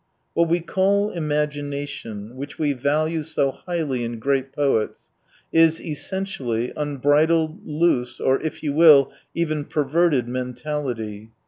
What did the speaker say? What we call imagination, which we value so highly in great poets — is, essentially, unbridled, loose, or if you will, even per verted mentality.